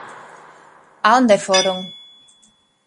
A onde foron?